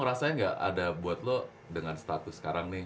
lu rasanya gak ada buat lu dengan status sekarang nih